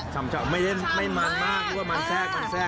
สำชัยไม่มั้งมากมันแซ่กสดังนี้